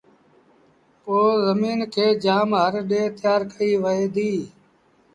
پو زميݩ کي جآم هر ڏي تيآر ڪئيٚ وهي ديٚ